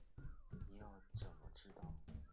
你要怎么知道